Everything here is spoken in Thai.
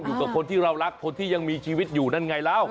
อยู่กับคนที่เรารักคนที่ยังมีชีวิตอยู่นั่นไงแล้ว